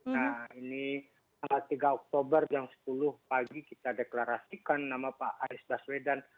nah ini tanggal tiga oktober jam sepuluh pagi kita deklarasikan nama pak anies baswedan